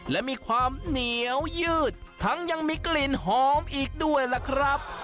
และมีความเหนียวยืดทั้งยังมีกลิ่นหอมอีกด้วยล่ะครับ